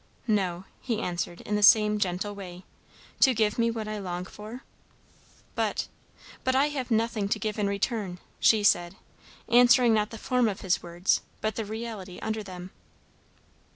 "No," he answered in the same gentle way. "To give me what I long for?" "But but I have nothing to give in return," she said, answering not the form of his words, but the reality under them.